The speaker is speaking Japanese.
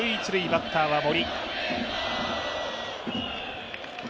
バッターは森。